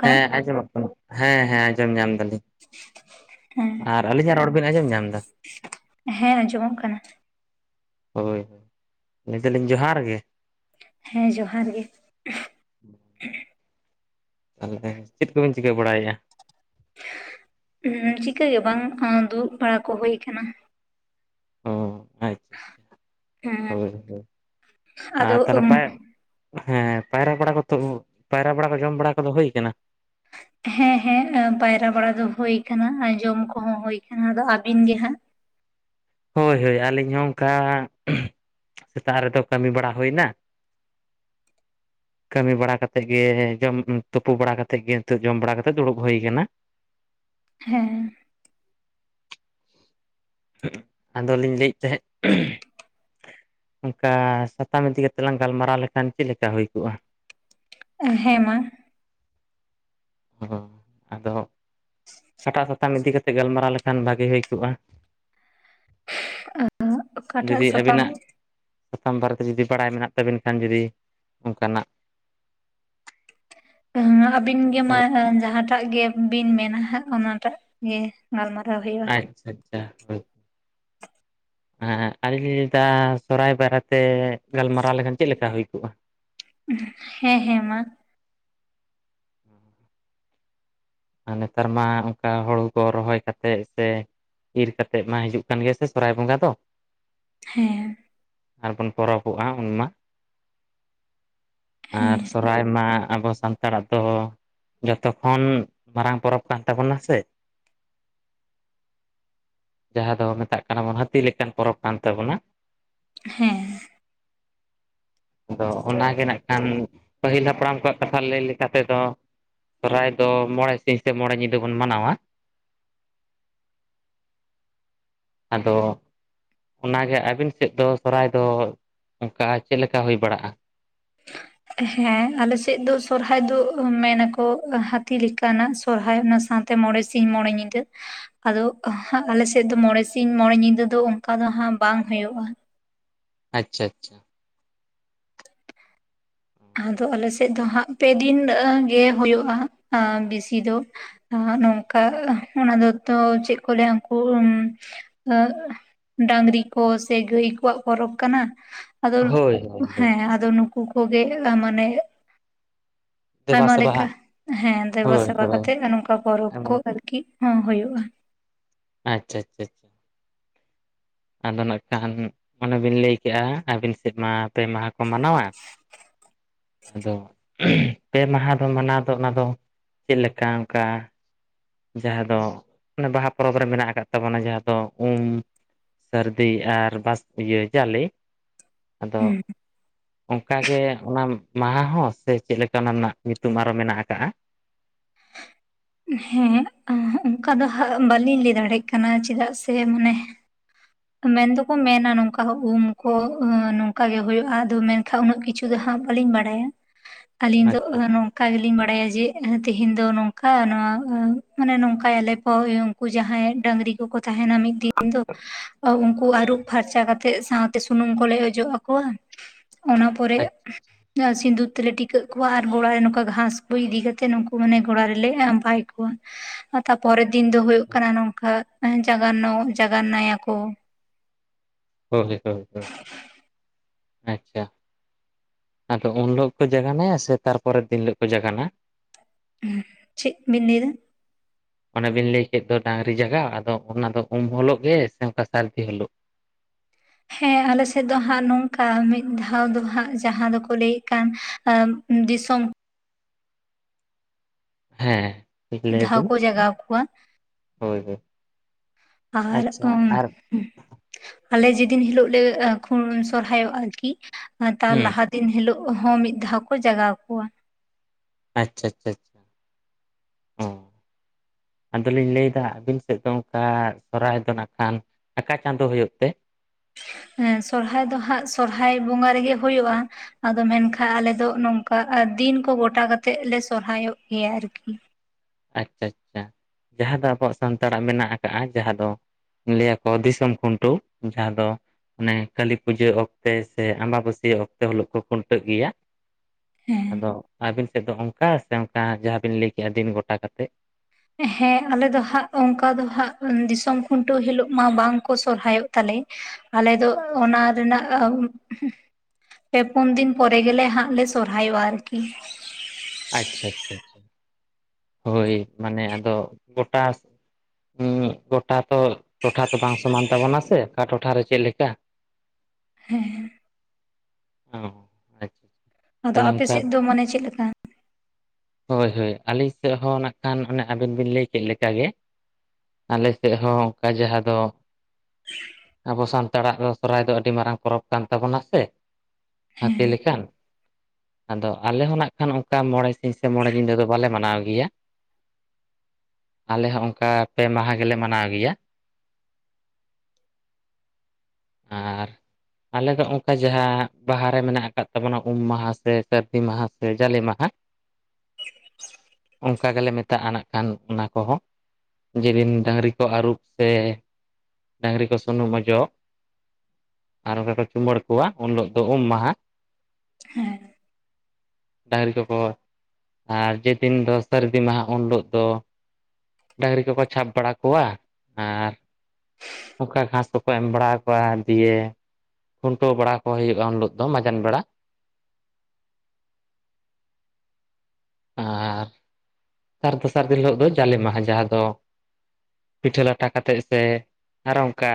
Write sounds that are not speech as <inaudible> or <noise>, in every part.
ᱠᱟᱱᱟ ᱦᱮᱸ ᱟᱸᱡᱚᱢᱚᱜ ᱠᱟᱱᱟ, ᱦᱮᱸ ᱦᱮᱸ ᱟᱸᱡᱚᱢ ᱧᱟᱢ ᱫᱟᱞᱤᱧ᱾ <inaudible> ᱟᱨ ᱟᱹᱞᱤᱧᱟᱜ ᱨᱚᱲ ᱵᱮᱱ ᱟᱸᱡᱚᱢ ᱧᱟᱢᱫᱟ? ᱦᱮᱸ ᱟᱸᱡᱚᱢᱚᱜ ᱠᱟᱱᱟ ᱦᱳᱭ ᱦᱳᱭ, ᱞᱟᱹᱭ ᱫᱟᱞᱤᱧ ᱡᱚᱦᱟᱨ ᱜᱮ᱾ ᱦᱮᱸ ᱡᱚᱦᱟᱨ ᱜᱮ᱾ ᱛᱟᱞᱷᱮ ᱪᱮᱫ ᱠᱚᱵᱤᱱ ᱪᱤᱠᱟᱹ ᱵᱟᱲᱟᱭᱮᱜᱼᱟ? ᱩᱸ, ᱪᱤᱠᱟᱹ ᱜᱮ ᱵᱟᱝ, ᱟᱸ ᱫᱩᱲᱩᱵ ᱵᱟᱲᱟ ᱠᱚ ᱦᱩᱭ ᱠᱟᱱᱟ᱾ ᱚ ᱟᱪᱪᱷᱟ ᱟᱪᱪᱷᱟ, ᱦᱮᱸ ᱦᱳᱭ ᱦᱳᱭ ᱟᱫᱚ ᱟᱨ ᱛᱟᱦᱞᱮ ᱯᱟᱭ ᱦᱮᱸ, ᱯᱟᱭᱨᱟ ᱵᱟᱲᱟ ᱠᱚᱫᱚ ᱯᱟᱭᱨᱟ ᱠᱚ ᱡᱚᱢ ᱵᱟᱲᱟ ᱠᱚᱫᱚ ᱦᱩᱭ ᱠᱟᱱᱟ? ᱦᱮᱸ ᱦᱮᱸ, ᱯᱟᱭᱨᱟ ᱵᱟᱲᱟ ᱫᱚ ᱦᱳ ᱟᱠᱟᱱᱟ ᱡᱚᱢ ᱠᱚᱦᱚᱸ ᱦᱳᱭ ᱠᱟᱱᱟ᱾ ᱟᱫᱚ ᱟᱹᱵᱤᱱ ᱜᱮ ᱦᱟᱸᱜ? ᱦᱳᱭ ᱦᱳᱭ ᱟᱹᱞᱤᱧ ᱦᱚᱸ ᱚᱝᱠᱟ ᱥᱮᱛᱟᱜ ᱨᱮᱫᱚ ᱠᱟᱹᱢᱤ ᱵᱟᱲᱟ ᱦᱩᱭᱱᱟ ᱠᱟᱹᱢᱤ ᱵᱟᱲᱟ ᱠᱟᱛᱮᱜ ᱜᱮ ᱡᱚᱢ ᱛᱩᱯᱩ ᱵᱟᱲᱟ ᱠᱟᱛᱮᱜ ᱜᱮ ᱱᱤᱛᱳᱜ ᱡᱚᱢ ᱵᱟᱲᱟ ᱠᱟᱛᱮᱜ ᱫᱩᱲᱩᱵ ᱦᱩᱭ ᱟᱠᱟᱱᱟ᱾ ᱦᱮᱸ ᱟᱫᱚᱞᱤᱧ ᱞᱟᱹᱭᱮᱫ ᱛᱟᱦᱮᱸᱫ ᱚᱱᱠᱟ ᱥᱟᱛᱟᱢ ᱤᱫᱤ ᱠᱟᱛᱮᱜ ᱞᱟᱝ ᱜᱟᱞᱢᱟᱨᱟᱣ ᱞᱮᱠᱷᱟᱱ ᱪᱮᱫ ᱞᱮᱠᱟ ᱦᱩᱭ ᱠᱚᱜᱼᱟ᱾ ᱦᱮᱸ ᱢᱟ ᱚ ᱟᱫᱚ ᱚᱠᱟᱴᱟᱜ ᱥᱟᱛᱟᱢ ᱤᱫᱤ ᱠᱟᱛᱮᱜ ᱜᱟᱞᱢᱟᱨᱟᱣ ᱞᱮᱠᱷᱟᱱ ᱵᱷᱟᱜᱤ ᱦᱩᱭ ᱠᱚᱜᱼᱟ᱾ ᱚᱠᱟᱴᱟᱜ ᱡᱩᱫᱤ ᱥᱟᱛᱟᱢ ᱟᱹᱵᱤᱱᱟᱜ ᱥᱟᱛᱟᱢ ᱵᱟᱨᱮᱛᱮ ᱡᱩᱫᱤ ᱵᱟᱲᱟᱭ ᱢᱮᱱᱟᱜ ᱛᱟᱵᱮᱱ ᱠᱷᱟᱱ ᱡᱩᱫᱤ ᱚᱱᱠᱟᱱᱟᱜ ᱟᱹᱵᱤᱱ ᱜᱮᱢᱟ ᱡᱟᱦᱟᱸᱴᱟᱜ ᱜᱮᱵᱤᱱ ᱢᱮᱱᱟ ᱦᱟᱸᱜ ᱚᱱᱟᱴᱟᱜ ᱜᱮ ᱜᱟᱞᱢᱟᱨᱟᱣ ᱦᱩᱭᱩᱜᱼᱟ᱾ ᱟᱪᱪᱷᱟ ᱟᱪᱪᱷᱟ ᱦᱳᱭ ᱦᱮᱸ ᱟᱹᱞᱤᱧ ᱞᱤᱧ ᱞᱟᱹᱭᱫᱟ ᱥᱚᱦᱚᱨᱟᱭ ᱵᱟᱨᱮᱛᱮ ᱜᱟᱞᱢᱟᱨᱟᱣ ᱞᱮᱠᱷᱟᱱ ᱪᱮᱫ ᱞᱮᱠᱟ ᱦᱩᱭ ᱠᱚᱜᱼᱟ᱾ ᱦᱮᱸ ᱦᱮᱸ ᱢᱟ ᱟᱨ ᱱᱮᱛᱟᱨ ᱢᱟ ᱚᱱᱠᱟ ᱦᱩᱲᱩ ᱠᱚ ᱨᱚᱦᱚᱭ ᱠᱟᱛᱮᱫ ᱥᱮ ᱤᱨ ᱠᱟᱛᱮᱜ ᱢᱟ ᱦᱤᱡᱩᱜ ᱠᱟᱱ ᱜᱮᱭᱟ ᱥᱮ ᱥᱚᱦᱚᱨᱟᱭ ᱵᱚᱸᱜᱟ ᱫᱚ ᱦᱮᱸ ᱟᱨᱵᱚᱱ ᱯᱚᱨᱚᱵᱚᱜᱼᱟ ᱩᱱᱢᱟ ᱦᱮᱸ ᱟᱨ ᱥᱚᱦᱚᱨᱟᱭ ᱢᱟ ᱟᱵᱚ ᱥᱟᱱᱛᱟᱲᱟᱜ ᱫᱚ ᱡᱚᱛᱚ ᱠᱷᱚᱱ ᱢᱟᱨᱟᱝ ᱯᱚᱨᱚᱵᱽ ᱠᱟᱱ ᱛᱟᱵᱚᱱᱟ ᱥᱮ ᱡᱟᱦᱟᱸ ᱫᱚ ᱢᱮᱛᱟᱜ ᱠᱟᱱᱟ ᱵᱚᱱ ᱦᱟᱹᱛᱤ ᱞᱮᱠᱟᱱ ᱯᱚᱨᱚᱵᱽ ᱠᱟᱱ ᱛᱟᱵᱚᱱᱟ᱾ ᱦᱮᱸ <inaudible> ᱟᱫᱚ ᱚᱱᱟᱜᱮ ᱱᱟᱜ ᱠᱷᱟᱱ ᱯᱟᱹᱦᱤᱞ ᱦᱟᱯᱲᱟᱢ ᱠᱚᱣᱟᱜ ᱠᱟᱛᱷᱟ ᱞᱟᱹᱭ ᱞᱮᱠᱟ ᱛᱮᱫᱚ᱾ ᱥᱚᱦᱚᱨᱟᱭ ᱫᱚ ᱢᱚᱬᱮ ᱥᱤᱧ ᱥᱮ ᱢᱚᱬᱮ ᱧᱤᱫᱟᱹ ᱵᱚᱱ ᱢᱟᱱᱟᱣᱟ᱾ ᱟᱫᱚ ᱚᱱᱟᱜᱮ ᱟᱹᱵᱤᱱ ᱥᱮᱫ ᱫᱚ ᱥᱚᱦᱚᱨᱟᱭ ᱫᱚ ᱚᱱᱠᱟ ᱪᱮᱫ ᱞᱮᱠᱟ ᱦᱩᱭ ᱵᱟᱲᱟᱜᱼᱟ᱾ <inaudible> ᱦᱮᱸ ᱟᱞᱮᱥᱮᱫ ᱫᱚ ᱥᱚᱦᱚᱨᱟᱭ ᱫᱚ ᱢᱮᱱᱟᱠᱚ ᱦᱟᱹᱛᱤ ᱞᱮᱠᱟᱱᱟᱜ ᱥᱚᱦᱚᱨᱟᱭ ᱚᱱᱟ ᱥᱟᱶᱛᱮ ᱢᱚᱬᱮ ᱥᱤᱧ ᱢᱚᱬᱮ ᱧᱤᱫᱟᱹ ᱟᱫᱚ ᱟᱞᱮ ᱥᱮᱫ ᱫᱚ ᱢᱚᱬᱮ ᱥᱤᱧ ᱢᱚᱬᱮ ᱧᱤᱫᱟᱹ ᱫᱚ ᱚᱱᱠᱟ ᱫᱚ ᱦᱟᱸᱜ ᱵᱟᱝ ᱦᱩᱭᱩᱜᱼᱟ᱾ ᱟᱪᱪᱷᱟ ᱟᱪᱪᱷᱟ ᱟᱫᱚ ᱟᱞᱮ ᱥᱮᱫ ᱫᱚ ᱦᱟᱸᱜ ᱯᱮ ᱫᱤᱱ ᱜᱮ ᱦᱩᱭᱩᱜᱼᱟ ᱵᱮᱥᱤ ᱫᱚ᱾ ᱱᱟᱦᱟᱜ ᱱᱚᱝᱠᱟ ᱚᱱᱟ ᱫᱚᱛᱚ ᱪᱮᱫ ᱠᱚ ᱞᱟᱹᱭᱟ ᱩᱱᱠᱩ ᱮᱸᱜ ᱰᱟᱹᱝᱨᱤ ᱠᱚ ᱥᱮ ᱜᱟᱹᱭ ᱠᱚᱣᱟᱜ ᱯᱚᱨᱚᱵᱽ ᱠᱟᱱᱟ᱾ ᱟᱫᱚ ᱦᱳᱭ ᱦᱳᱭ ᱦᱳᱭ ᱦᱮᱸ ᱟᱫᱚ ᱱᱩᱠᱩ ᱠᱚᱜᱮ ᱢᱟᱱᱮ ᱫᱮᱵᱟ ᱟᱭᱢᱟ ᱥᱮᱵᱟ ᱞᱮᱠᱟ ᱦᱟᱸᱜ ᱦᱮᱸ ᱫᱮᱵᱟ ᱦᱳᱭ ᱥᱮᱵᱟ ᱦᱳᱭ ᱠᱟᱛᱮ ᱱᱚᱝᱠᱟ ᱯᱚᱨᱚᱵᱽ ᱠᱚ <unintelligible> ᱦᱩᱭᱩᱜᱼᱟ ᱟᱪᱪᱷᱟ ᱟᱪᱪᱷᱟ ᱟᱪᱪᱷᱟ ᱟᱫᱚ ᱱᱟᱜ ᱠᱷᱟᱱ ᱚᱱᱮ ᱵᱤᱱ ᱞᱟᱹᱭ ᱠᱮᱜᱼᱟ ᱟᱹᱵᱤᱱ ᱥᱮᱫ ᱢᱟ ᱯᱮ ᱢᱟᱦᱟ ᱠᱚ ᱢᱟᱱᱟᱣᱟ᱾ ᱟᱫᱚ ᱯᱮ ᱢᱟᱦᱟᱸ ᱫᱚ ᱢᱟᱱᱟᱣ ᱫᱚ ᱚᱱᱟ ᱫᱚ ᱪᱮᱫ ᱞᱮᱠᱟ ᱚᱱᱠᱟ ᱡᱟᱦᱟᱸ ᱫᱚ ᱚᱱᱮ ᱵᱟᱦᱟ ᱯᱚᱨᱚᱵᱽ ᱨᱮ ᱢᱮᱱᱟᱜ ᱟᱠᱟᱫ ᱛᱟᱵᱚᱱᱟ ᱡᱟᱦᱟᱸ ᱫᱚ ᱩᱢ ᱥᱟᱹᱨᱫᱤ ᱟᱨ ᱵᱟᱥ ᱤᱭᱟᱹ ᱡᱟᱞᱮ ᱟᱫᱚ ᱚᱱᱠᱟ ᱜᱮ ᱚᱱᱟ ᱢᱟᱦᱟᱸ ᱦᱚᱸ ᱥᱮ ᱪᱮᱫ ᱞᱮᱠᱟ ᱚᱱᱟ ᱨᱮᱱᱟᱜ ᱧᱩᱛᱩᱢ ᱟᱨᱦᱚ ᱢᱮᱱᱟᱜ ᱟᱠᱟᱜᱼᱟ᱾ ᱦᱮᱸ ᱚᱱᱠᱟ ᱫᱚ ᱦᱟᱸᱜ ᱵᱟᱹᱞᱤᱧ ᱞᱟᱹᱭ ᱫᱟᱲᱮᱭᱟᱜ ᱠᱟᱱᱟ ᱪᱮᱫᱟᱜ ᱥᱮ ᱢᱟᱱᱮ ᱢᱮᱱ ᱫᱚᱠᱚ ᱢᱮᱱᱟ ᱱᱚᱝᱠᱟ ᱦᱚ ᱩᱢ ᱠᱚ ᱱᱚᱝᱠᱟ ᱜᱮ ᱦᱩᱭᱩᱜᱼᱟ᱾ ᱟᱫᱚ ᱢᱮᱱᱠᱷᱟᱱ ᱩᱱᱟᱹᱜ ᱠᱤ ᱪᱷᱩ ᱫᱚ ᱦᱟᱸᱜ ᱵᱟᱹᱞᱤᱧ ᱵᱟᱲᱟᱭᱟ᱾ <inaudible> ᱟᱹᱞᱤᱧ ᱫᱚ <unintelligible> ᱚᱱᱠᱟ ᱜᱮᱞᱤᱧ ᱵᱟᱲᱟᱭᱟ ᱡᱮ ᱛᱮᱦᱮᱧ ᱫᱚ ᱱᱚᱝᱠᱟ ᱱᱚᱣᱟ ᱢᱟᱱᱮ ᱱᱚᱝᱠᱟ ᱭᱟᱞᱮ <unintelligible> ᱩᱱᱠᱩ ᱡᱟᱦᱟᱸᱭ ᱰᱟᱹᱟᱝᱨᱤ ᱠᱚᱠᱚ ᱛᱟᱦᱮᱱᱟ ᱢᱤᱫ ᱫᱤᱱ ᱫᱚ ᱩᱱᱠᱩ ᱟᱹᱨᱩᱵ ᱯᱷᱟᱨᱪᱟ ᱠᱟᱛᱮᱜ ᱥᱟᱶᱼ ᱛᱮ ᱥᱩᱱᱩᱢ ᱠᱚᱞᱮ ᱚᱡᱚᱜ ᱟᱠᱚᱣᱟ᱾ ᱚᱱᱟ ᱟᱪᱪᱷᱟ ᱯᱚᱨᱮ ᱥᱤᱸᱫᱩᱨ ᱛᱮᱞᱮ ᱴᱤᱠᱟᱹᱜ ᱠᱚᱣᱟ ᱟᱨ ᱜᱚᱲᱟ ᱨᱮ ᱱᱚᱝᱠᱟ ᱜᱷᱟᱸᱥ ᱠᱚ ᱤᱫᱤ ᱠᱟᱛᱮᱜ ᱱᱩᱠᱩ ᱢᱟᱱᱮ ᱜᱚᱲᱟ ᱨᱮᱞᱮ ᱵᱟᱭ ᱠᱚᱣᱟ᱾ <inaudible> ᱛᱟᱯᱚᱨᱮ ᱫᱤᱱ ᱫᱚ ᱦᱳᱭᱳᱜ ᱟᱪᱪᱷᱟ ᱠᱟᱱᱟ᱾ ᱱᱚᱝᱠᱟ ᱡᱟᱜᱟᱱᱱᱚ ᱡᱟᱜᱟᱱᱱᱟ ᱭᱟᱠᱚ ᱦᱳᱭ ᱦᱳᱭ ᱦᱳᱭ ᱟᱪᱪᱷᱟ ᱟᱫᱚ ᱩᱱ ᱦᱤᱞᱳᱜ ᱜᱮ ᱠᱚ ᱡᱟᱜᱟᱱᱟᱭᱟ ᱥᱮ ᱛᱟᱨᱯᱚᱨᱮ ᱫᱤᱱ ᱦᱤᱞᱳᱜ ᱠᱚ ᱡᱟᱜᱟᱱᱟ᱾ ᱪᱮᱫ ᱵᱤᱱ ᱞᱟᱹᱭ ᱫᱟ᱾ <inaudible> ᱚᱱᱮ ᱵᱤᱱ ᱞᱟᱹᱭ ᱠᱮᱫ ᱫᱚ ᱰᱟᱹᱝᱨᱤ ᱡᱟᱜᱟᱣ ᱟᱫᱚ ᱚᱱᱟ ᱫᱚ ᱩᱢ ᱦᱤᱞᱳᱜ ᱜᱮ ᱥᱮ ᱚᱱᱠᱟ ᱥᱟᱹᱨᱫᱤ ᱦᱤᱞᱚᱜ ᱦᱮᱸ ᱟᱞᱮᱥᱮᱫ ᱫᱚ ᱦᱟᱸᱜ ᱱᱚᱝᱠᱟ ᱢᱤᱫ ᱫᱷᱟᱣ ᱫᱚ ᱦᱟᱸᱜ ᱡᱟᱦᱟᱸ ᱫᱚᱠᱚ ᱞᱟᱹᱭᱮᱫ ᱠᱟᱱ ᱫᱤᱥᱚᱢ ᱦᱮᱸ ᱴᱷᱤᱠ ᱞᱟᱹᱭ ᱫᱷᱟᱣ ᱵᱤᱱ ᱠᱚ ᱡᱟᱜᱟᱣ ᱠᱚᱣᱟ᱾ ᱦᱳᱭ ᱦᱳᱭ ᱟᱨ ᱟᱪᱪᱷᱟ ᱟᱨ ᱟᱞᱮ ᱡᱮᱫᱤᱱ ᱦᱤᱞᱳᱜ ᱞᱮ ᱥᱚᱦᱚᱨᱭᱚᱜᱼᱟ᱾ ᱟᱨᱠᱤ ᱛᱟᱨ ᱦᱩᱸ ᱞᱟᱦᱟ ᱫᱤᱱ ᱦᱤᱞᱳᱜ ᱦᱚᱸ ᱢᱤᱫ ᱫᱷᱟᱣ ᱠᱚ ᱡᱟᱜᱟᱣ ᱠᱚᱣᱟ᱾ ᱟᱪᱪᱷᱟ ᱟᱪᱪᱷᱟ ᱦᱚᱸ ᱟᱫᱚ ᱞᱤᱧ ᱞᱟᱹᱭ ᱮᱫᱟ᱾ ᱟᱵᱮᱱ ᱥᱮᱫ ᱫᱚ ᱚᱱᱠᱟ ᱥᱚᱨᱦᱟᱭ ᱫᱚ ᱱᱟᱠᱷᱟᱱ ᱟᱠᱟ ᱪᱟᱸᱫᱳ ᱦᱩᱭᱩᱜ ᱛᱮ? ᱦᱮᱸ ᱥᱚᱨᱦᱟᱭ ᱫᱚ ᱥᱚᱨᱦᱟᱭ ᱵᱚᱸᱜᱟ ᱨᱮᱜᱮ ᱦᱩᱭᱩᱜᱼᱟ᱾ ᱟᱫᱚ ᱢᱮᱱᱠᱷᱟᱱ ᱟᱞᱮ ᱫᱚ ᱱᱚᱝᱠᱟ ᱫᱤᱱ ᱠᱚ ᱜᱚᱴᱟ ᱠᱟᱛᱮᱫ ᱞᱮ ᱥᱚᱦᱚᱨᱟᱭᱼᱚᱜ ᱜᱮᱭᱟ ᱟᱨᱠᱤ᱾ ᱟᱪᱪᱷᱟ ᱟᱪᱪᱷᱟ, ᱡᱟᱦᱟᱸ ᱫᱚ ᱟᱵᱚᱣᱟᱜ ᱥᱟᱱᱛᱟᱲᱟᱜ ᱢᱮᱱᱟᱜ ᱟᱠᱟᱫᱟ, ᱡᱟᱦᱟᱸ ᱫᱚ ᱞᱟᱹᱭ ᱟᱠᱚ ᱫᱤᱥᱚᱢ ᱠᱷᱩᱱᱴᱟᱹᱣ ᱡᱟᱦᱟᱸ ᱫᱚ ᱟᱱᱮ ᱠᱟᱹᱞᱤ ᱯᱩᱡᱟᱹ ᱚᱠᱛᱮ ᱥᱮ ᱟᱢᱵᱟᱹᱥᱤᱭᱟᱹ ᱚᱠᱛᱮ ᱦᱤᱞᱳᱜ ᱠᱚ ᱠᱷᱩᱱᱴᱟᱹᱜ ᱜᱮᱭᱟ᱾ ᱦᱮᱸ ᱟᱫᱚ ᱟᱹᱵᱤᱱ ᱥᱮᱫ ᱫᱚ ᱚᱱᱠᱟ ᱥᱮ ᱚᱱᱠᱟ ᱡᱟᱦᱟᱸ ᱵᱤᱱ ᱞᱟᱹᱭ ᱠᱮᱜᱼᱟ ᱫᱤᱱ ᱜᱚᱴᱟ ᱠᱟᱛᱮᱫ? ᱦᱮᱸ ᱟᱞᱮ ᱫᱚ ᱚᱱᱠᱟ ᱫᱚ ᱫᱤᱥᱚᱢ ᱠᱷᱩᱱᱴᱟᱹᱣ ᱦᱤᱞᱳᱜ ᱢᱟ ᱵᱟᱝᱠᱚ ᱥᱚᱨᱦᱟᱭᱼᱚᱜ ᱛᱟᱞᱮ᱾ ᱟᱞᱮ ᱫᱚ ᱚᱱᱟ ᱨᱮᱱᱟᱜ ᱯᱮ ᱯᱩᱱ ᱫᱤᱱ ᱯᱚᱨᱮ ᱜᱮ ᱞᱮ ᱦᱟᱸᱜ ᱥᱚᱦᱚᱨᱟᱭᱚᱜᱼᱟ ᱟᱨᱠᱤ ᱾ ᱟᱪᱪᱷᱟ ᱟᱪᱪᱷᱟ, ᱦᱳᱭ ᱢᱟᱱᱮ ᱟᱫᱚ ᱜᱚᱴᱟ <unintelligible> ᱜᱚᱴᱟ ᱛᱚ, ᱴᱚᱴᱷᱟ ᱛᱚ ᱵᱟᱝ ᱥᱚᱢᱟᱱ ᱛᱟᱵᱚᱱᱟ ᱥᱮ ᱚᱠᱟ ᱴᱚᱴᱷᱟ ᱨᱮ ᱪᱮᱫ ᱞᱮᱠᱟ᱾ ᱦᱮᱸ ᱦᱮᱸ, ᱚ ᱟᱪᱪᱷᱟ ᱟᱫᱚ ᱛᱟᱦᱚᱞᱮ ᱟᱯᱮ ᱚᱱᱠᱟ ᱥᱮᱫ ᱫᱚ ᱢᱟᱱᱮ ᱪᱮᱫ ᱞᱮᱠᱟ? ᱦᱳᱭ ᱦᱳᱭ, ᱟᱹᱞᱮ ᱥᱮᱫ ᱦᱚᱸ ᱱᱟᱜᱠᱷᱟᱱ ᱟᱹᱵᱤᱱ ᱵᱮᱱ ᱞᱟᱹᱭ ᱠᱮᱜ ‌ᱞᱮᱠᱟ ᱜᱮ᱾ ᱟᱞᱮ ᱥᱮᱫ ᱦᱚᱸ ᱚᱱᱠᱟ ᱡᱟᱦᱟᱸ ᱫᱚ ᱟᱵᱚ ᱥᱟᱱᱛᱟᱲᱟᱜ ᱫᱚ ᱥᱚᱦᱚᱨᱟᱭ ᱫᱚ ᱟᱹᱰᱤ ᱢᱟᱨᱟᱝ ᱯᱚᱨᱚᱵᱽ ᱠᱟᱱ ᱛᱟᱵᱚᱱᱟ ᱥᱮ ᱦᱟᱹᱛᱤ ᱦᱮᱸ ᱞᱮᱠᱟᱱ᱾ ᱟᱫᱚ ᱟᱞᱮ ᱦᱚᱸ ᱱᱟᱝᱠᱷᱟᱱ ᱚᱱᱠᱟ ᱢᱚᱬᱮ ᱥᱤᱧ ᱥᱮ ᱢᱚᱬᱮ ᱧᱤᱫᱟᱹ ᱫᱚ ᱵᱟᱞᱮ ᱢᱟᱱᱟᱣ ᱜᱮᱭᱟ᱾ ᱟᱞᱮ ᱦᱚᱸ ᱚᱱᱠᱟ ᱯᱮ ᱢᱟᱦᱟ ᱜᱮᱞᱮ ᱢᱟᱱᱟᱣ ᱜᱮᱭᱟ᱾ ᱟᱨ ᱟᱞᱮ ᱫᱚ ᱚᱱᱠᱟ ᱡᱟᱦᱟᱸ ᱵᱟᱦᱟ ᱨᱮ ᱢᱮᱱᱟᱜ ᱟᱠᱟᱫ ᱛᱟᱵᱚᱱᱟ ᱩᱢ ᱢᱟᱦᱟ, ᱥᱮ ᱥᱟᱹᱨᱫᱤ ᱢᱟᱦᱟ, ᱥᱮ ᱡᱟᱞᱮ ᱢᱟᱦᱟ, ᱚᱱᱠᱟ ᱜᱮᱞᱮ ᱢᱮᱛᱟᱜᱼᱟ᱾ ᱚᱱᱟ ᱠᱚᱦᱚᱸ ᱡᱮᱫᱤᱱ ᱰᱟᱹᱝᱨᱤ ᱠᱚ ᱟᱹᱨᱩᱵ ᱥᱮ ᱰᱟᱝᱨᱤ ᱠᱚ ᱥᱩᱱᱩᱢ ᱚᱡᱚᱜ ᱟᱨ ᱚᱱᱠᱟ ᱠᱚ ᱪᱩᱢᱟᱹᱲ ᱠᱚᱣᱟ ᱩᱱ ᱦᱤᱞᱳᱜ ᱫᱚ ᱩᱢ ᱢᱟᱦᱟᱸ᱾ ᱦᱮᱸ, ᱰᱟᱹᱟᱝᱨᱤ ᱠᱚᱠᱚ ᱟᱨ ᱡᱮᱫᱤᱱ ᱫᱚ ᱥᱟᱹᱨᱫᱤ ᱢᱟᱦᱟ ᱩᱱ ᱦᱤᱞᱳᱜ ᱫᱚ ᱰᱟᱹᱝᱨᱤ ᱠᱚᱠᱚ ᱪᱷᱟᱯ ᱵᱟᱲᱟ ᱠᱚᱣᱟ ᱟᱨ ᱚᱱᱠᱟ ᱜᱷᱟᱥ ᱠᱚᱠᱚ ᱮᱢ ᱵᱟᱲᱟ ᱠᱚᱣᱟ ᱫᱤᱭᱮ ᱠᱷᱩᱱᱴᱟᱹᱣ ᱵᱟᱲᱟ ᱠᱚ ᱦᱩᱭᱩᱜᱼᱟ ᱩᱱ ᱦᱤᱞᱳᱜ ᱫᱚ ᱢᱟᱡᱟᱱ ᱵᱮᱲᱟ᱾ ᱟᱨ ᱛᱟᱨ ᱫᱚᱥᱟᱨ ᱫᱤᱱ ᱦᱤᱞᱳᱜ ᱫᱚ ᱡᱟᱞᱮ ᱢᱟᱦᱟ, ᱡᱟᱦᱟᱸ ᱫᱚ ᱯᱤᱴᱷᱟᱹ ᱞᱟᱴᱷᱟ ᱠᱟᱛᱮᱫ ᱥᱮ ᱟᱨᱦᱚᱸ ᱚᱱᱠᱟ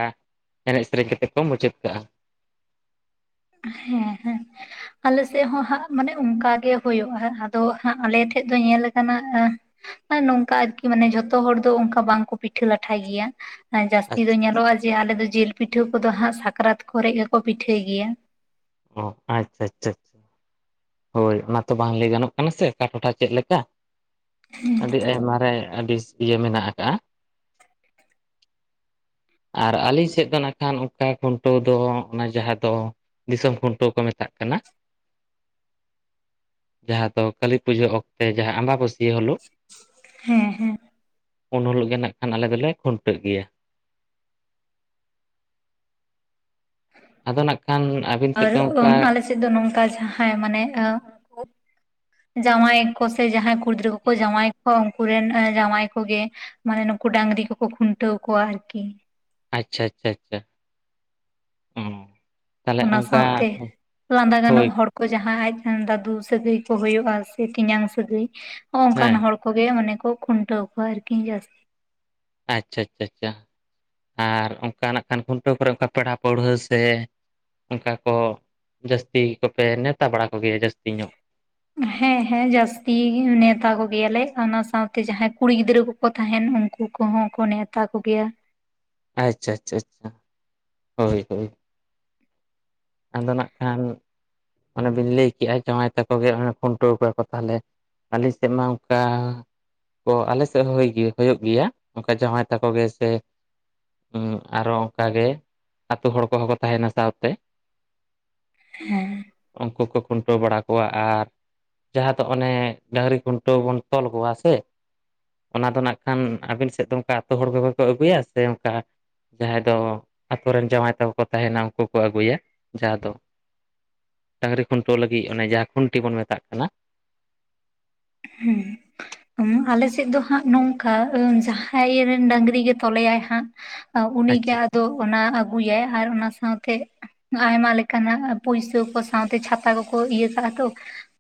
ᱮᱱᱮᱡ ᱥᱮᱨᱮᱧ ᱠᱟᱛᱮᱫ ᱠᱚ ᱢᱩᱪᱟᱹᱫ ᱠᱟᱜᱼᱟ᱾ ᱦᱮᱸ ᱦᱮᱸ, ᱟᱞᱮ ᱥᱮᱫ ᱦᱚᱸ ᱦᱟᱸᱜ ᱢᱟᱱᱮ ᱚᱱᱠᱟᱜᱮ ᱦᱩᱭᱩᱜᱼᱟ, ᱟᱫᱚ ᱟᱞᱮ ᱴᱷᱮᱱ ᱫᱚ ᱧᱮᱞ ᱠᱟᱱᱟ᱾ ᱟᱨ ᱱᱚᱝᱠᱟ ᱟᱨᱠᱤ ᱡᱷᱚᱛᱚ ᱦᱚᱲ ᱫᱚ ᱚᱱᱠᱟ ᱵᱟᱝᱠᱚ ᱯᱤᱴᱷᱟᱹ ᱞᱟᱴᱷᱟᱭ ᱜᱮᱭᱟ᱾ ᱡᱟᱹᱥᱛᱤ ᱫᱚ ᱟᱪᱪᱷᱟ ᱧᱮᱞᱚᱜᱼᱟ, ᱡᱮ ᱟᱞᱮ ᱫᱚ ᱡᱤᱞ ᱯᱤᱴᱷᱟᱹ ᱠᱚᱫᱚ ᱥᱟᱠᱨᱟᱛ ᱠᱚᱨᱮ ᱜᱮ ᱠᱚ ᱯᱤᱴᱷᱟᱹᱭ ᱜᱮᱭᱟ᱾ ᱚ ᱟᱪᱪᱷᱟ ᱟᱪᱪᱷᱷᱟ, ᱦᱳᱭ, ᱚᱱᱟ ᱛᱚ ᱵᱟᱝ ᱞᱟᱹᱭ ᱜᱟᱱᱚᱜ ᱠᱟᱱᱟ ᱥᱮ ᱚᱠᱟ ᱴᱚᱴᱷᱟ ᱪᱮᱫ ᱞᱮᱠᱟ? ᱟᱹᱰᱤ ᱟᱭᱢᱟ ᱨᱮ ᱟᱹᱰᱤ ᱤᱭᱟᱹ ᱢᱮᱱᱟᱜ ᱟᱠᱟᱫᱟ᱾ ᱟᱨ ᱟᱹᱞᱮ ᱥᱮᱫ ᱫᱚ ᱱᱟᱜ ᱠᱷᱟᱱ ᱚᱱᱠᱟ ᱠᱷᱩᱱᱴᱟᱹᱣ ᱫᱚ, ᱚᱱᱟ ᱡᱟᱦᱟᱸ ᱫᱚ, ᱫᱤᱥᱚᱢ ᱠᱷᱩᱱᱴᱟᱹᱣ ᱠᱚ ᱢᱮᱛᱟᱜ ᱠᱟᱱᱟ, ᱡᱟᱦᱟᱸ ᱫᱚ ᱠᱟᱹᱞᱤ ᱯᱩᱡᱟᱹ ᱚᱠᱛᱮ ᱡᱟᱦᱟᱸ ᱟᱸᱵᱟᱹᱵᱟᱹᱥᱭᱟᱹ ᱦᱤᱞᱳᱜ, ᱦᱮᱸ ᱦᱮᱸ, ᱩᱱ ᱦᱳᱞᱳᱜ ᱜᱮ ᱱᱟᱜ ᱠᱷᱟᱱ ᱟᱞᱮ ᱫᱚᱞᱮ ᱠᱷᱩᱱᱴᱟᱹᱜ ᱜᱮᱭᱟ᱾ ᱟᱫᱚ ᱱᱟᱝᱠᱷᱟᱱ ᱟᱨ, ᱟᱨ <inaudible> ᱟᱞᱮ ᱥᱮᱫ ᱫᱚ ᱱᱚᱝᱠᱟ ᱡᱟᱦᱟᱸᱭ ᱢᱟᱱᱮ ᱡᱟᱶᱟᱭ ᱠᱚ ᱥᱮ ᱡᱟᱦᱟᱸᱭ ᱠᱚ ᱥᱮ ᱡᱟᱦᱟᱸ ᱠᱚ, ᱠᱩᱲᱤᱜᱤᱫᱽᱨᱟᱹ ᱠᱚ ᱠᱚ ᱡᱟᱶᱟᱭ ᱮᱜ ᱠᱚᱣᱟ ᱩᱝ ᱠᱩᱨᱮᱱ ᱡᱟᱶᱟᱭ ᱠᱚᱜᱮ ᱢᱟᱱᱮ ᱱᱩᱠᱩ ᱰᱟᱹᱝᱨᱤ ᱠᱚᱠᱚ ᱠᱷᱩᱱᱴᱟᱹᱣ ᱠᱚᱣᱟ ᱟᱨᱠᱤ, ᱟᱪᱪᱷᱟ ᱟᱪᱪᱷᱟ ᱟᱪᱪᱷᱟ ᱚ ᱛᱟᱦᱚᱞᱮ ᱚᱱᱟ ᱚᱱᱠᱟ ᱥᱟᱶᱛᱮ ᱞᱟᱸᱫᱟ ᱦᱳᱭ ᱜᱟᱱᱚᱜ ᱦᱚᱲ ᱡᱟᱦᱟᱸᱭ ᱟᱡ ᱫᱟᱫᱩ ᱥᱟᱹᱜᱟᱹᱭ ᱠᱚ ᱦᱩᱭᱩᱜᱼᱟ ᱥᱮ ᱛᱤᱧᱟᱝ ᱥᱟᱹᱜᱟᱹᱭ ᱦᱚᱜ ᱚᱱᱠᱟᱱ ᱦᱮᱸ ᱦᱚᱲ, ᱠᱚᱜᱮ ᱢᱟᱱᱮ ᱠᱚ ᱠᱷᱩᱱᱴᱟᱹᱣ ᱠᱚᱣᱟ ᱟᱨᱠᱤᱧ ᱡᱟᱹᱥᱛᱤ ᱟᱪᱪᱷᱟ ᱟᱪᱪᱷᱟᱷᱟ ᱟᱨ ᱚᱱᱠᱟ ᱱᱟᱜ ᱠᱷᱟᱱ ᱠᱷᱩᱱᱴᱟᱹᱣ ᱠᱚᱨᱮ ᱚᱱᱠᱟ ᱯᱮᱲᱟ ᱯᱟᱹᱲᱦᱟᱹ ᱥᱮ, ᱚᱱᱠᱟ ᱠᱚ ᱡᱟᱹᱥᱛᱤ ᱠᱚᱯᱮ ᱱᱮᱶᱛᱟ ᱵᱟᱲᱟ ᱠᱚᱜᱮᱭᱟ ᱡᱟᱹᱥᱛᱤ ᱧᱚᱜ ᱦᱮᱸ ᱦᱮᱸ ᱡᱟᱹᱥᱛᱤ ᱱᱮᱣᱛᱟ ᱠᱚᱜᱮᱭᱟᱞᱮ ᱚᱱᱟ ᱥᱟᱶᱛᱮ ᱡᱟᱦᱟᱸᱭ ᱠᱩᱲᱤ ᱜᱤᱫᱽᱨᱟᱹ ᱠᱩ ᱠᱚ ᱛᱟᱦᱮᱸᱱ ᱩᱱᱠᱩ ᱠᱚᱦᱚᱸ ᱠᱚ ᱱᱮᱣᱛᱟ ᱠᱚᱜᱮᱭᱟ ᱟᱪᱪᱷᱟ ᱟᱪᱪᱷᱟ ᱟᱪᱷᱟ ᱦᱳᱭ ᱦᱳᱭ ᱟᱫᱚ ᱱᱟᱜ ᱠᱷᱟᱱ ᱚᱱᱮ ᱵᱤᱱ ᱞᱟᱹᱭ ᱠᱮᱜᱼᱟ ᱡᱟᱶᱟᱭ ᱛᱟᱠᱚ ᱜᱮ ᱚᱱᱮ ᱠᱷᱩᱱᱴᱟᱹᱣ ᱠᱚᱮᱣᱟ ᱠᱚ ᱛᱟᱦᱚᱞᱮ ᱟᱞᱤᱧ ᱥᱮᱫ ᱢᱟ ᱚᱱᱠᱟ, ᱠᱚ ᱟᱞᱮ ᱥᱮᱫ ᱦᱚᱸ ᱦᱩᱭᱩᱜ ᱜᱮᱭᱟ ᱚᱱᱠᱟ ᱡᱟᱶᱟᱭ ᱛᱟᱠᱚ ᱜᱮ ᱥᱮ, ᱟᱨᱚ ᱚᱱᱠᱟ ᱜᱮ ᱟᱛᱳ ᱦᱚᱲ ᱠᱚᱦᱚᱸ ᱠᱚ ᱛᱟᱦᱮᱱᱟ ᱥᱟᱶᱛᱮ ᱦᱮᱸ ᱩᱱᱠᱩ ᱠᱚ ᱠᱷᱩᱱᱴᱟᱹᱣ ᱵᱟᱲᱟ ᱠᱚᱣᱟ ᱟᱨ ᱡᱟᱦᱟᱸ ᱫᱚ ᱚᱱᱮ ᱰᱟᱹᱝᱨᱤ ᱠᱷᱩᱱᱴᱟᱹᱣ ᱵᱚᱱ ᱛᱚᱞ ᱠᱚᱣᱟ ᱥᱮ ᱚᱱᱟ ᱫᱚ ᱱᱟᱜ ᱠᱷᱟᱱ ᱟᱵᱤᱱ ᱥᱮᱫ ᱫᱚ ᱚᱱᱠᱟ ᱟᱹᱛᱩ ᱦᱚᱲ ᱠᱚᱜᱮ ᱠᱚ ᱟᱹᱜᱩᱭᱟ ᱥᱮ ᱚᱱᱠᱟ ᱡᱟᱦᱟᱸᱭ ᱫᱚ ᱟᱠᱚ ᱨᱮᱱ ᱡᱟᱶᱟᱭ ᱛᱟᱠᱚ ᱠᱚ ᱛᱟᱦᱮᱸᱱᱟ ᱩᱱᱠᱩ ᱠᱚ ᱟᱹᱜᱩᱭᱟ, ᱡᱟᱦᱟᱸ ᱫᱚ ᱰᱟᱹᱟᱝᱨᱤ ᱠᱷᱩᱱᱴᱟᱹᱣ ᱞᱟᱹᱜᱤᱜ ᱚᱱᱮ ᱡᱟᱦᱟᱸ ᱠᱷᱩᱱᱴᱤ ᱵᱚᱱ ᱢᱮᱛᱟᱜ ᱠᱟᱱᱟ, ᱦᱩᱸ ᱟᱞᱮ ᱥᱮᱫ ᱫᱚ ᱦᱟᱸᱜ ᱱᱚᱝᱠᱟ ᱡᱟᱦᱟᱸᱭ ᱨᱮᱱ ᱰᱟᱝᱨᱤ ᱜᱮ ᱛᱚᱞᱮᱭᱟᱭ ᱦᱟᱸᱜ ᱩᱱᱤᱜᱮ ᱟᱪᱪᱷᱟ ᱟᱪᱪᱷᱟ ᱟᱫᱚ ᱚᱱᱟ ᱟᱹᱜᱩᱭᱟᱭ ᱟᱨ ᱚᱱᱟ ᱥᱟᱶᱛᱮ ᱟᱭᱢᱟ ᱞᱮᱠᱟᱱᱟᱜ ᱯᱩᱭᱥᱟᱹ ᱠᱚ ᱥᱟᱶᱛᱮ ᱪᱷᱟᱛᱟ ᱠᱚᱠᱚ ᱤᱭᱟᱹ ᱠᱟᱜᱼᱟ ᱛᱚ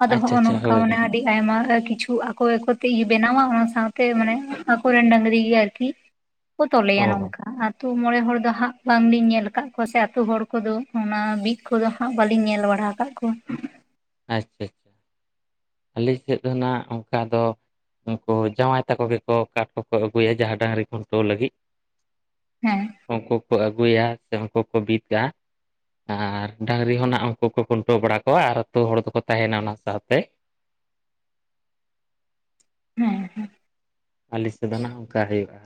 ᱟᱫᱚ ᱟᱪᱪᱷᱟ ᱦᱚᱸᱜᱚᱭ ᱟᱪᱪᱷᱟ ᱱᱚᱝᱠᱟ ᱦᱳᱭ ᱢᱟᱱᱮ ᱦᱳᱭ ᱟᱹᱰᱤ ᱟᱭᱢᱟ ᱠᱤᱪᱷᱩ ᱟᱠᱚ ᱜᱮᱠᱚ ᱵᱮᱱᱟᱣᱟ ᱚᱱᱟ ᱥᱟᱶᱛᱮ ᱢᱟᱱᱮ ᱟᱠᱚᱨᱮᱱ ᱰᱟᱹᱝᱨᱤ ᱜᱮ ᱟᱨᱠᱤ ᱠᱚ ᱚ ᱛᱚᱞᱮᱭᱟ ᱱᱚᱝᱠᱟ ᱟᱨ ᱟᱹᱛᱩ ᱢᱚᱬᱮ ᱦᱚᱲ ᱫᱚ ᱦᱟᱸᱜ ᱵᱟᱝᱞᱤᱧ ᱧᱮᱞ ᱟᱠᱟᱫ ᱠᱚᱣᱟ ᱥᱮ ᱟᱛᱳ ᱦᱚᱲ ᱠᱚᱫᱚ ᱚᱱᱟ ᱵᱤᱫ ᱠᱚᱫᱚ ᱦᱟᱸᱜ ᱵᱟᱞᱤᱧ ᱧᱮᱞ ᱵᱟᱲᱟ ᱠᱟᱜ-ᱟ ᱠᱚᱣᱟ ᱟᱪᱪᱷᱟ ᱟᱪᱪᱷᱟ ᱟᱞᱮᱧ ᱥᱮᱫ ᱫᱚ ᱱᱟᱜ ᱚᱱᱠᱟ ᱫᱚ ᱩᱱᱠᱩ ᱡᱟᱶᱟᱭ ᱛᱟᱠᱚ ᱜᱮᱠᱚ ᱠᱟᱴ ᱠᱚᱠᱚ ᱟᱹᱜᱩᱭᱟ ᱡᱟᱦᱟᱸ ᱰᱟᱝᱨᱤ ᱠᱷᱩᱱᱴᱟᱹᱣ ᱞᱟᱹᱜᱤᱫ ᱦᱮᱸ ᱩᱱᱠᱩ ᱠᱚ ᱟᱹᱜᱩᱭᱟ ᱩᱱᱠᱩ ᱠᱚ ᱵᱤᱫᱽ ᱠᱟᱜᱼᱟ ᱟᱨ ᱰᱟᱹᱟᱝᱨᱤ ᱦᱚᱸ ᱱᱟᱜ ᱩᱱᱠᱩ ᱠᱚ ᱠᱷᱩᱱᱴᱟᱹᱣ ᱵᱟᱲᱟ ᱠᱚᱣᱟ ᱟᱨ ᱛᱳ ᱦᱚᱲ ᱫᱚᱠᱚ ᱛᱟᱦᱮᱱᱟ ᱚᱱᱟ ᱥᱟᱶᱛᱮ ᱦᱮᱸ ᱦᱮᱸ ᱟᱹᱞᱮ ᱥᱮᱫ ᱦᱟᱸᱜ ᱚᱱᱠᱟ ᱦᱩᱭᱩᱜᱼᱟ᱾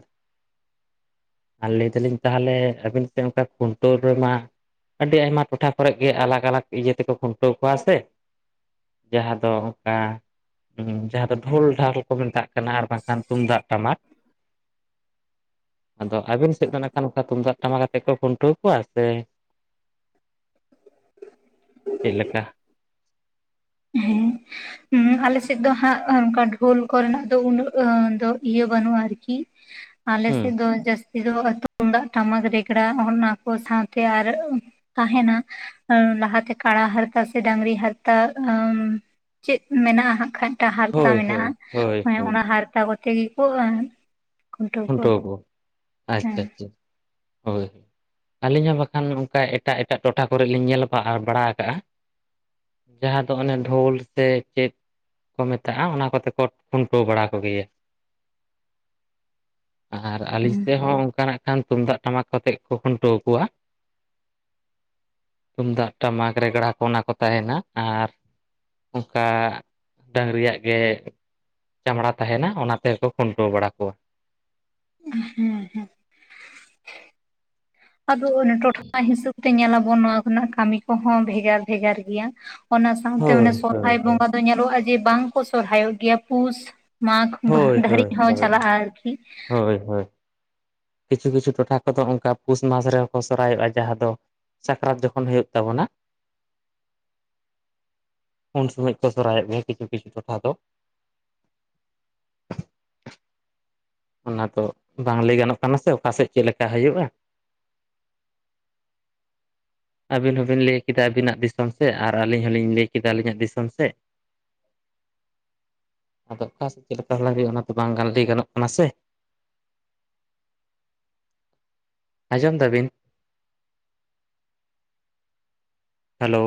ᱟᱨ ᱞᱟᱹᱭ ᱫᱟᱞᱤᱧ ᱛᱟᱦᱚᱞᱮ ᱟᱹᱵᱤᱱ ᱥᱮᱫ ᱚᱱᱠᱟ ᱠᱷᱩᱱᱴᱟᱹᱣ ᱨᱮᱢᱟ᱾ ᱟᱹᱰᱤ ᱟᱭᱢᱟ ᱴᱚᱴᱷᱟ ᱠᱚᱨᱮᱜ ᱜᱮ ᱟᱞᱟᱜᱽ ᱟᱞᱟᱜᱽ ᱤᱭᱟᱹ ᱛᱮᱠᱚ ᱠᱷᱩᱱᱴᱟᱹᱣ ᱠᱚᱣᱟ ᱥᱮ ᱡᱟᱦᱟᱸ ᱫᱚ ᱚᱱᱠᱟ ᱡᱟᱦᱟᱸ ᱫᱚ ᱰᱷᱳᱞ ᱰᱷᱟᱞ ᱠᱚ ᱢᱮᱛᱟᱜ ᱠᱟᱱᱟ ᱟᱨ ᱵᱟᱝᱠᱷᱟᱱ ᱛᱩᱢᱫᱟᱜ ᱴᱟᱢᱟᱠ ᱟᱫᱚ ᱟᱹᱵᱤᱱ ᱥᱮᱫ ᱫᱚ ᱱᱟᱜᱠᱷᱟᱱ ᱚᱱᱠᱟ ᱛᱩᱢᱫᱟᱜ ᱴᱟᱢᱟᱠᱛᱮ ᱠᱚ ᱠᱷᱩᱱᱴᱟᱹᱣ ᱠᱚᱣᱟ ᱥᱮ ᱪᱮᱜ ᱞᱮᱠᱟ? ᱦᱮᱸ ᱟᱞᱮ ᱥᱮᱫ ᱫᱚ ᱦᱟᱸᱜ ᱚᱱᱠᱟ ᱰᱷᱳᱞ ᱠᱚᱨᱮᱱᱟᱜ ᱫᱚ ᱩᱱᱟᱹᱜ ᱫᱚ ᱤᱭᱟᱹ ᱵᱟᱹᱱᱩᱜᱼᱟ ᱟᱨᱠᱤ᱾ <unintelligible> ᱟᱞᱮᱥᱮᱫ ᱫᱚ ᱡᱟᱹᱥ ᱛᱤ ᱛᱩᱢᱫᱟᱜ ᱴᱟᱢᱟᱠ ᱨᱮᱜᱽᱲᱟ ᱚᱱᱟ ᱠᱚ ᱥᱟᱶᱛᱮ ᱟᱨ ᱛᱟᱦᱮᱱᱟ᱾ ᱞᱟᱦᱟᱛᱮ ᱠᱟᱲᱟ ᱦᱟᱨᱛᱟ ᱥᱮ ᱰᱟᱝᱨᱤ ᱦᱟᱨᱛᱟ ᱪᱮᱫ ᱢᱮᱱᱟᱜᱼᱟ ᱦᱟᱸᱜ ᱠᱷᱟᱱ ᱢᱤᱫᱴᱟᱜ ᱦᱟᱨᱛᱟ ᱦᱳᱭ ᱦᱳᱭ ᱢᱮᱱᱟᱜᱼᱟ᱾ ᱦᱳᱭ ᱚᱱᱮ ᱦᱳᱭ ᱚᱱᱟ ᱦᱟᱨᱛᱟ ᱠᱚᱛᱮ ᱜᱮᱠᱚ ᱠᱷᱩᱱᱴᱟᱹᱣ ᱠᱚᱣᱟ ᱦᱮᱸ ᱟᱪᱪᱷᱟ ᱟᱪᱪᱷᱟ ᱦᱳᱭ ᱟᱹᱞᱤᱧ ᱦᱚᱸ ᱵᱟᱠᱷᱟᱱ ᱚᱱᱠᱟ ᱮᱴᱟᱜ ᱮᱴᱟᱜ ᱴᱚᱴᱷᱟ ᱠᱚᱨᱮ ᱞᱤᱧ ᱧᱮᱞ ᱵᱟ ᱵᱟᱲᱟ ᱠᱟᱜᱼᱟ᱾ ᱡᱟᱦᱟᱸ ᱫᱚ ᱚᱱᱮ ᱰᱷᱳᱞ ᱥᱮ ᱪᱮᱫ ᱠᱚ ᱢᱮᱛᱟᱜᱼᱟ? ᱚᱱᱟ ᱠᱚᱛᱮ ᱠᱚ ᱠᱷᱩᱱᱴᱟᱹᱣ ᱵᱟᱲᱟ ᱠᱚᱜᱮᱭᱟ᱾ ᱟᱨ ᱟᱹᱞᱤᱧ ᱦᱩᱸ ᱥᱮᱫ ᱦᱚᱸ ᱚᱱᱠᱟ ᱱᱟᱜᱠᱷᱟᱱ ᱛᱩᱢᱫᱟᱜ ᱴᱟᱢᱟᱠ ᱠᱚᱛᱮᱫ ᱜᱮᱠᱚ ᱠᱷᱩᱱᱴᱟᱹᱣ ᱠᱚᱣᱟ᱾ ᱛᱩᱢᱫᱟᱜ ᱴᱟᱢᱟᱠ ᱨᱮᱜᱽᱲᱟ ᱠᱚ ᱚᱱᱟ ᱠᱚ ᱛᱟᱦᱮᱸᱱᱟ ᱟᱨ ᱚᱱᱠᱟ ᱰᱟᱝᱨᱤᱭᱟᱜ ᱜᱮ ᱪᱟᱢᱲᱟ ᱛᱟᱦᱮᱸᱱᱟ ᱚᱱᱟ ᱛᱮᱜᱮᱠᱚ ᱠᱷᱩᱱᱴᱟᱹᱣ ᱵᱟᱲᱟ ᱠᱚᱣᱟ᱾ ᱦᱮᱸ ᱦᱮᱸ ᱟᱫᱚ ᱚᱱᱟ ᱴᱚᱴᱷᱟ ᱦᱤᱥᱟᱹᱵᱽ ᱛᱮ ᱧᱮᱞᱟᱵᱚᱱ ᱱᱚᱣᱟ ᱠᱚᱨᱮᱱᱟᱜ ᱠᱟᱹᱢᱤ ᱠᱚᱦᱚᱸ ᱵᱷᱮᱜᱟᱨ ᱵᱷᱮᱜᱟᱨ ᱜᱮᱭᱟ᱾ ᱚᱱᱟ ᱥᱟᱶᱛᱮ ᱚᱱᱮ ᱦᱳᱭ ᱦᱳᱭ ᱥᱚᱦᱨᱟᱭ ᱵᱚᱸᱜᱟ ᱧᱮᱞᱚᱜᱼᱟ ᱡᱮ ᱵᱟᱝ ᱠᱚ ᱥᱚᱨᱦᱟᱭᱚᱜ ᱜᱮᱭᱟ᱾ ᱯᱩᱥ ᱢᱟᱜᱽ ᱦᱳᱭ ᱫᱷᱟᱹᱨᱤᱡ ᱦᱳᱭ ᱦᱚᱸ ᱦᱳᱭ ᱪᱟᱞᱟᱜᱼᱟ ᱟᱨᱠᱤ᱾ ᱠᱤ ᱦᱳᱭ ᱦᱳᱭ ᱠᱤᱪᱷᱩ ᱠᱤᱪᱩ ᱴᱚᱴᱷᱟ ᱠᱚᱫᱚ ᱚᱱᱠᱟ ᱯᱩᱥ ᱢᱟᱥ ᱨᱮᱦᱚᱸ ᱠᱚ ᱥᱚᱨᱦᱟᱭᱚᱜᱼᱟ᱾ ᱡᱟᱦᱟᱸ ᱫᱚ ᱥᱟᱠᱨᱟᱛ ᱡᱚᱠᱷᱚᱱ ᱦᱩᱭᱩᱜ ᱛᱟᱵᱚᱱᱟ᱾ ᱩᱱ ᱥᱚᱢᱚᱭ ᱠᱚ ᱥᱚᱨᱦᱟᱭᱚᱜ ᱜᱮᱭᱟ ᱠᱤᱪᱷᱩ ᱠᱤᱪᱷᱩ ᱴᱚᱴᱷᱟ ᱫᱚ᱾ ᱚᱱᱟ ᱫᱚ ᱵᱟᱝ ᱞᱟᱹᱭ ᱜᱟᱱᱚᱜ ᱠᱟᱱᱟ ᱥᱮ ᱚᱠᱟᱥᱮᱫ ᱪᱮᱫ ᱞᱮᱠᱟ ᱦᱩᱭᱩᱜᱼᱟ᱾ <inaudible> ᱟᱹᱵᱤᱱ ᱦᱚᱸᱵᱤᱱ ᱞᱟᱹᱭ ᱠᱮᱫᱟ ᱟᱹᱵᱤᱱᱟᱜ ᱫᱤᱥᱚᱢ ᱥᱮᱫ ᱟᱨ ᱟᱹᱞᱤᱧ ᱦᱚᱞᱤᱧ ᱞᱟᱹᱭ ᱠᱮᱫᱟ ᱟᱹᱞᱤᱧᱟᱜ ᱫᱤᱥᱚᱢ ᱥᱮᱫ᱾ ᱟᱫᱚ ᱚᱠᱟ ᱥᱮᱫ ᱪᱮᱫᱞᱮᱠᱟ ᱦᱟᱞᱟ ᱦᱩᱭᱩᱜᱼᱟ᱾ ᱚᱱᱟ ᱫᱚ ᱵᱟᱝ ᱜᱟᱱ ᱞᱟᱹᱭ ᱜᱟᱱᱚᱜ ᱠᱟᱱᱟ ᱥᱮ ᱟᱸᱡᱚᱢ ᱫᱟᱵᱤᱱ <inaudible> ᱦᱮᱞᱳ